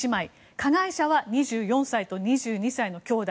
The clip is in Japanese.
加害者は２４歳と２２歳の兄弟。